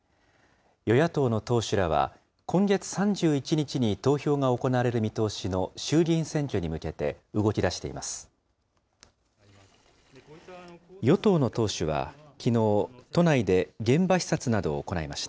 与野党の党首らは、今月３１日に投票が行われる見通しの衆議院選挙に向けて動きだしています。